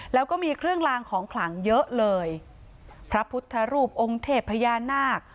แล้วก็มีเครื่องลางของขลังเยอะเลยพระพุทธรูปองค์เทพพญานาค